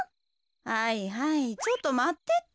はいはいちょっとまってって。